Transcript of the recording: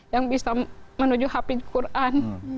yang bisa menuju hafiz quran